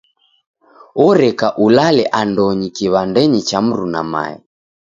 Oreka ulale andonyi kiw'andenyi cha mruna mae.